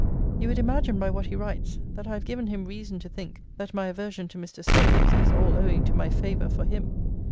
You would imagine, by what he writes, that I have given him reason to think that my aversion to Mr. Solmes is all owing to my favour for him.